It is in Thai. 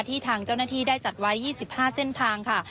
ทางเจ้าหน้าที่ได้จัดไว้๒๕เส้นทางค่ะ